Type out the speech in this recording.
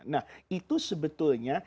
nah itu sebetulnya